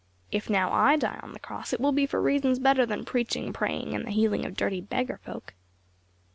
If now, I die on the cross, it will be for reasons better than preaching, praying, and the healing of dirty beggar folk."